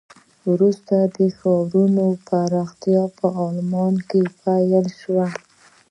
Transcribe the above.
وروسته د ښارونو پراختیا په آلمان کې پیل شوه.